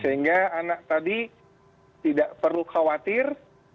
sehingga anak tadi tidak perlu khawatir